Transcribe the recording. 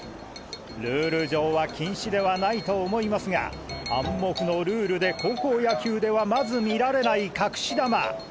ルール上は禁止ではないと思いますが暗黙のルールで高校野球ではまず見られない隠し球！